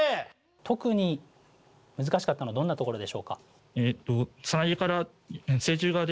特に難しかったのはどんなところでしょうか？